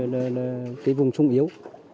cái vùng sông yếu